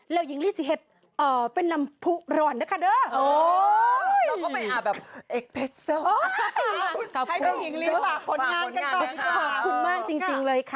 แล้วก็ดนตรี